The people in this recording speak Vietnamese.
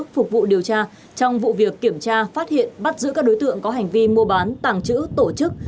phục vụ điều tra trong vụ việc kiểm tra phát hiện bắt giữ các đối tượng có hành vi mua bán tàng trữ tổ chức